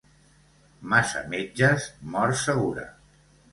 Massa metges, mort segura.